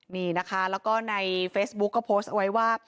นี่นะคะแล้วก็ในเฟซบุ๊กก็โพสต์ไว้ว่า